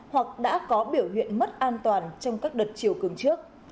hoặc đã có biểu hiện mất an toàn trong các đợt chiều cường trước